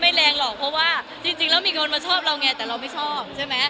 ไม่แรงหรอกเพราะว่ามีคนมาชอบเราแต่เราไม่ชอบ